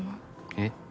えっ？